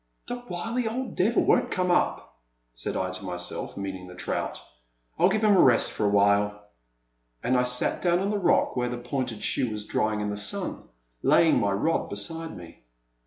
The wily old devil won't come up, said I to myself, meaning the trout ;I *11 give him a rest for a while.'* And I sat down on the rock where the pointed shoe was drying in the sun, laying my rod beside me.